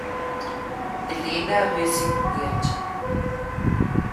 Helena resigniert.